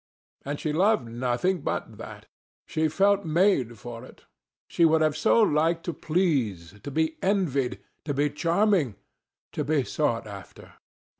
And she loved nothing but that; she felt made for that. She would so have liked to please, to be envied, to be charming, to be sought after.